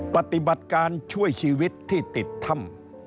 ปฏิบัติการช่วยชีวิตที่ติดถ้ำ